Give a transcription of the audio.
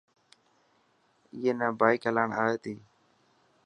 اي نا بائڪ هلائڻ آئي تي.